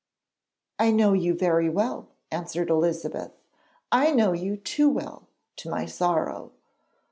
'I know you very well,' answered Elizabeth; 'I know you too well, to my sorrow.'